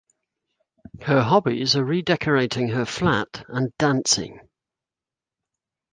Her hobbies are redecorating her flat and dancing.